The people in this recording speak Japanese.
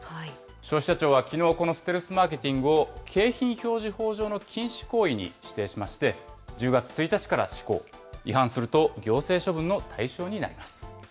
消費者庁はきのう、このステルスマーケティングを、景品表示法の禁止行為に指定しまして、１０月１日から施行、違反すると行政処分の対象になります。